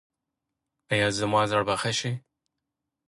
ایا زما زړه به ښه شي؟